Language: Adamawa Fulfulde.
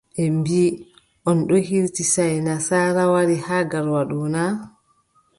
Ɓe mbiʼi on ɗo hiriti saaye nasaara, wari haa Garoua na ?